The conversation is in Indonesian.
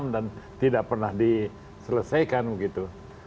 dan tidak pernah diselesaikan gitu